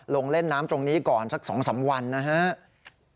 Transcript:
ลงเล่นน้ำตรงนี้ก่อนสัก๒๓วันนะครับ